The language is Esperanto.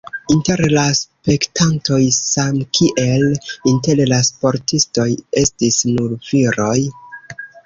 Inter la spektantoj samkiel inter la sportistoj estis nur viroj.